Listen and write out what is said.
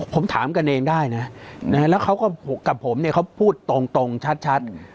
ผมถามกันเองได้นะแล้วเขาก็กับผมเนี่ยเขาพูดตรงชัด